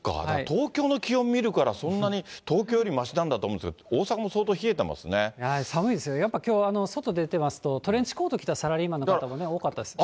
東京の気温見るから、そんなに、東京よりましなんだと思って、寒いですよ、やっぱりきょうは外出てますと、トレンチコート着たサラリーマンの方も多かったです。